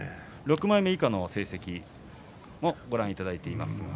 ６枚目以下の成績もご覧いただいています。